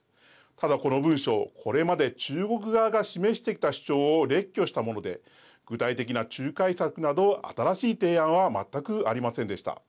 ただこの文書、これまで中国側が示してきた主張を列挙したもので具体的な仲介策など新しい提案は全くありませんでした。